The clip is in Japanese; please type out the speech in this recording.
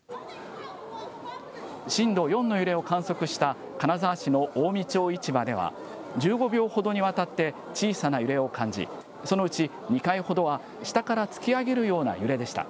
震度４の揺れを観測した金沢市の近江町市場では、１５秒ほどにわたって小さな揺れを感じ、そのうち２回ほどは、下から突き上げるような揺れでした。